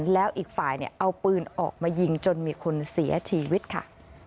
แล้วอีกฝ่ายเอาปืนออกมายิงจนมีคนเสียชีวิตค่ะ